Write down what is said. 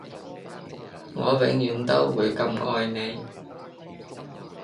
我永遠都會咁愛你